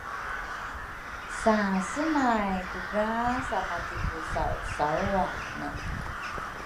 Sa senay kudra samakipusausawane